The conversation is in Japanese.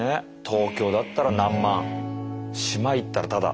東京だったら何万島行ったらタダ。